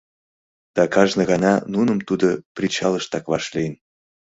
Да кажне гана нуным тудо причалыштак вашлийын.